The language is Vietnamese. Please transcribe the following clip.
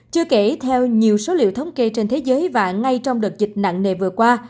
chưa kể theo nhiều số liệu thống kê trên thế giới và ngay trong đợt dịch nặng nề vừa qua